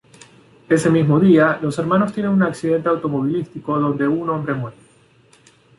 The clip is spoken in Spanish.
Ese mismo día, los hermanos tienen un accidente automovilístico donde un hombre muere.